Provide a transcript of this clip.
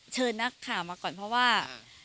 เชิญนักข่าวมาก่อนเพราะว่า